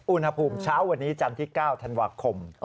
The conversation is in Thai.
อุณหภูมิเช้าวันนี้จันทร์ที่๙ธันวาคม